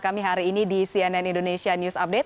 kami hari ini di cnn indonesia news update